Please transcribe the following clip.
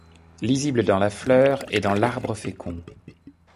Lisible dans la fleur et dans l’arbre fécond